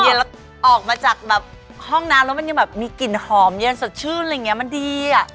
ออกมาจากแบบห้องน้ำแล้วมันยังแบบมีกลิ่นหอมเย็นสดชื่นอะไรอย่างเงี้มันดีอ่ะ